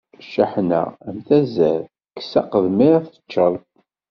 Cceḥna am tazart, kkes aqedmiṛ teččeḍ.